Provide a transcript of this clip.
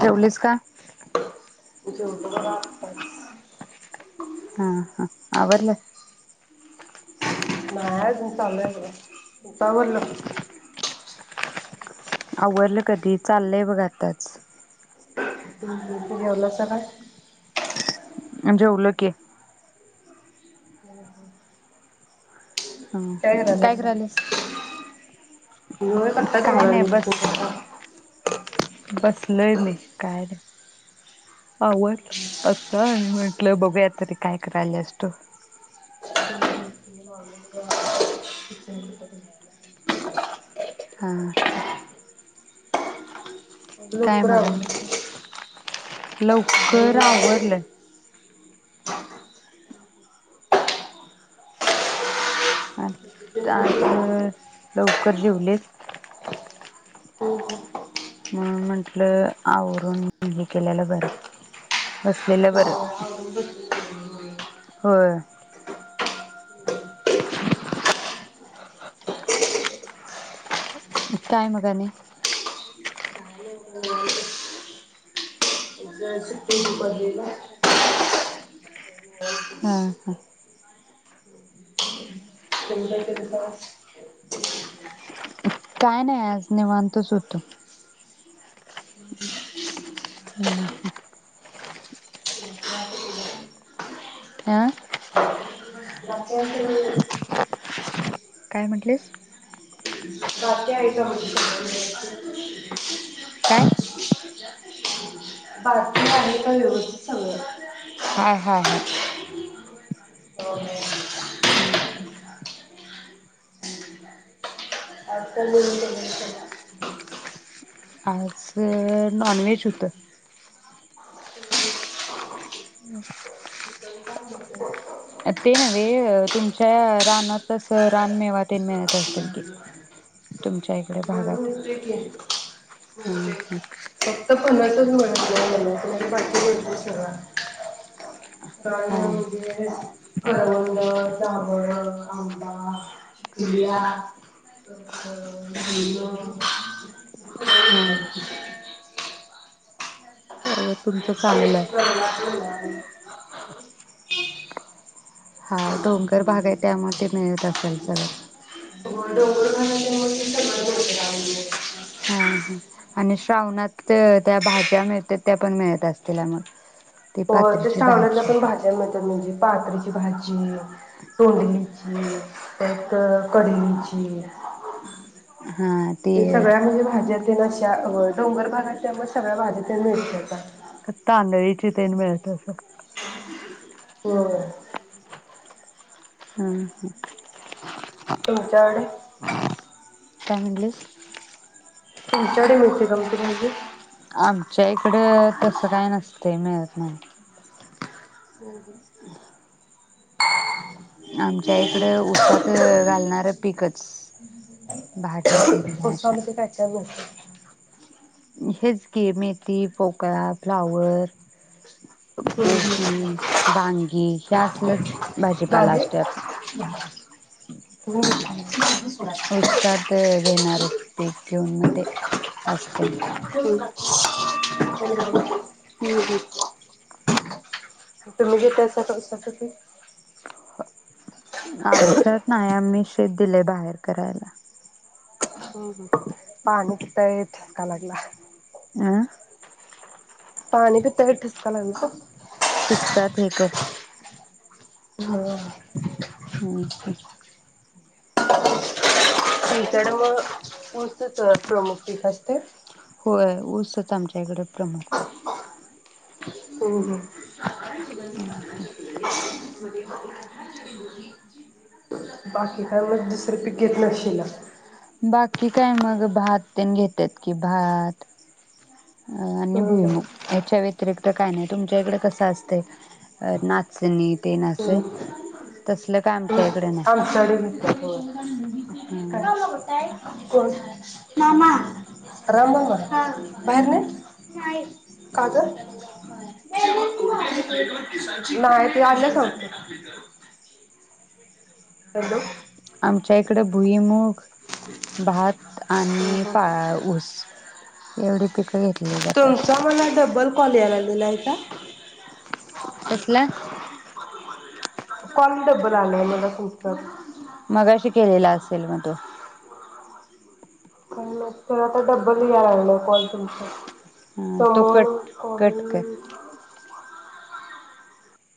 जेवलीस का? जेवलो बाबा आत्ताच. हा हा आवरलं. नाय अजून चालू आहे बघा तुमचा आवरलं. आवरल कधी चालय बघा आताच. जेवलासा काय. जेवलो की. काय करायल्यास. [inaudible] बस. [unintelligible] आवरल आता आणि म्हटलं बघूयात तरी काय करायल्यास तू. हा. काय लवकर मग आणि? आवरलं. लवकर आवरलं. आज लवकर जेवलेत. मग म्हटलं आवरून हे केलेलं बरं, बसलेलं बरं. होय. काय मग आणि. काय नाही सुट्टी होती कॉलेजला हा हा. त्यांनी काय केलं काय नाही आज निव्हातचं होतो. [unintelligible] [unintelligible] बाकी आहे काय म्हटलीस. का म्हणजे काय. बाकी आहे का व्यवस्थित हाय हाय हाय. सगळं हम्म. आजकाल नवीन पदार्थ आज नॉनव्हेज होतं. चिकन का मटन ते नवे तुमच्या रानातच रानमेवा ते मेळत असतील कि तुमच्या इकडे होय भागात मिळतोय की ह मिळतोय [unintelligible] बाकी मिळतोय सगळा आणि हो म्हणजे करवंद, जांभळ, आंबा, चिकुल्या परत डोंगर हा हा [unintelligible] तुमचं चांगलंय खाण्याच्या हा डोंगर भागे त्यामध्ये मिळत असेल सगंळ मग सगळं मिळतं हा ह आणि श्रावणात त्या भाज्या मिळत्यात त्या पण मिळत असतीला मग ते हो ते सावण्यात पण भाज्या मिळतात म्हणजे पात्रीची भाजी, तोंडलीची, परत कढलीची ते सगळ्यातं म्हणजे भाज्यात ते रश्या डोंगर भागात त्यामुळे सगळ्या भाज्या तेन मिळत्यात आ तांदळीची तेन मिळत असतं होयं हम्म हम् तुमच्याकडं? काय म्हणलीस? तुमच्याकडं मिळते कां म्हणलं आमच्या इकड तस काय नसतं ते मिळत नाही हम्म आमच्या इकड ऊसात घालणार पिकच भाज्या ते अशा उसामध्ये काय काय [inaudible] हेच की मेथी पोकळा फ्लावर कोबी वांगी हे असलच भाजीपाला झाले असतो यात [inaudible] उस्सात येणारे पीक घेऊन म ते असते ह् हम् [inaudible] तुम्ही जे आमच्यात नाय आम्ही दिल बाहेर करायला हम्म हम् पाणी पिता येत ठसका लागला आ पाणी पिताना ठसका लागला शिकतात हे कर हम्म ह्म्म ह आमच्याकड मोती चमकते काय ती होय ऊसत आमच्या कड प्रमुख पीक हो हो ह्म्म ह्म्म बाकी का मग दुसर पीक घेत नशीला मंग घेतात की भात अ आणि हम्म भुईमूग याच्या व्यतिरिक्त काय नाय तुमच्या इकड कस असतय? संगीत. ह्म्म आमच्या इकडे नाही आमच्याकड हं कोण मामा राम भाऊ का हा बाहेर नाही नाही का तर. [inaudible] हॅलो. आमच्या इकड भुईमुग भात आणि पा ऊस. एवढी पिक. तुमचा मला डबल कॉल याय लागलेला का? कसला? कॉल डबल आलेला मला खूप तर. मगाशी केलेला असेल मग तो. काल तर आता डबल ह तो कट कट कर [unintelligible] [unintelligible]